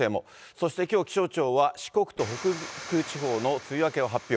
そしてきょう気象庁は、四国と北陸地方の梅雨明けを発表。